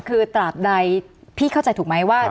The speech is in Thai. คือตราบใดพี่เข้าใจถูกไหมว่า